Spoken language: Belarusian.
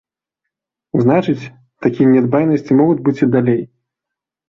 Значыць, такія нядбайнасці могуць быць і далей.